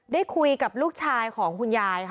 ได้คุยกับลูกชายของคุณยายค่ะ